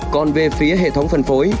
còn về phía hệ thống phân phối